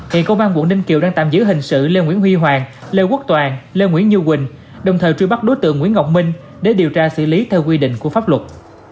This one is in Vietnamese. hiện công an quận ninh kiều đang tạm giữ hình sự lê nguyễn huy hoàng lê quốc toàn lê nguyễn như quỳnh đồng thời truy bắt đối tượng nguyễn ngọc minh để điều tra xử lý theo quy định của pháp luật